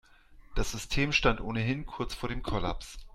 Das System stand ohnehin kurz vor dem Kollaps.